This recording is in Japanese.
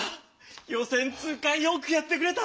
予選通過よくやってくれた！